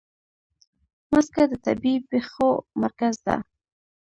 مځکه د طبیعي پېښو مرکز ده.